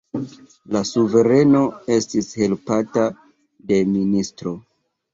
La suvereno estis helpata de ministro.